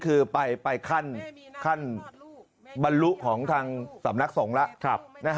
เราไปขั้นบรรลุของทางศพสำนักส่งละ